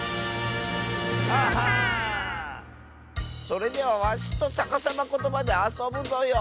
それではわしとさかさまことばであそぶぞよ。